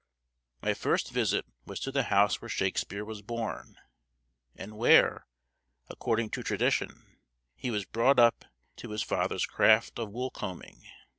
My first visit was to the house where Shakespeare was born, and where, according to tradition, he was brought up to his father's craft of wool combing.